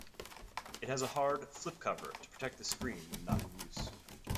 It has a hard flip-cover to protect the screen when not in use.